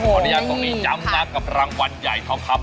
ขออนุญาตตรงนี้จำนักกับรางวัลใหญ่ท้อคับ